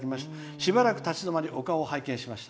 「しばらく立ち止まりお顔を拝見しました。